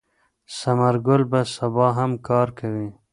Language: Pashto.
ثمر ګل به سبا هم کار کوي.